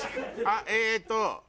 あっえっと